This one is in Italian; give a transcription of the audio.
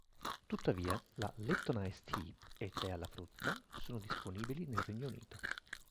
Tuttavia, la Lipton Ice Tea e tè alla frutta sono disponibili nel Regno Unito.